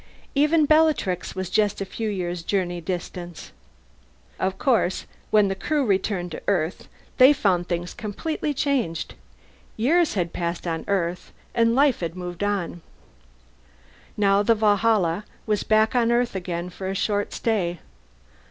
Even Bellatrix was just a few years' journey distant. Of course, when the crew returned to Earth they found things completely changed; years had passed on Earth, and life had moved on. Now the Valhalla was back on Earth again for a short stay.